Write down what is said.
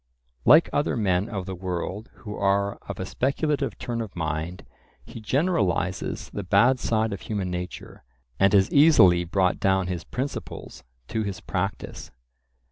Like other men of the world who are of a speculative turn of mind, he generalizes the bad side of human nature, and has easily brought down his principles to his practice.